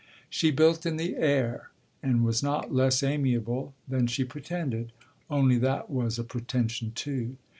She built in the air and was not less amiable than she pretended, only that was a pretension too.